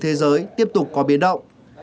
thế giới tiếp tục có biến động